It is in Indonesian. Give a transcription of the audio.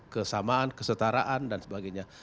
kesamaan kesetaraan dan sebagainya